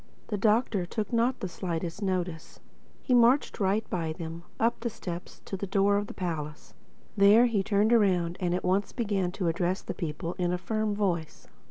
The Doctor took not the slightest notice. He marched right by them, up the steps to the door of the palace. There he turned around and at once began to address the people in a firm voice.